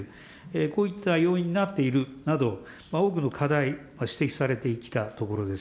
こういった要因になっているなど、多くの課題、指摘されてきたところです。